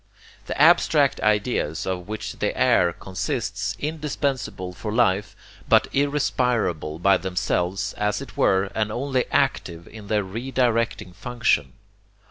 The abstract ideas of which the air consists, indispensable for life, but irrespirable by themselves, as it were, and only active in their re directing function.